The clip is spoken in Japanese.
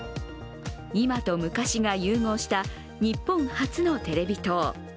今と昔が融合した日本初のテレビ塔。